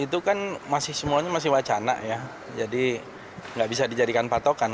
itu kan masih semuanya masih wacana ya jadi nggak bisa dijadikan patokan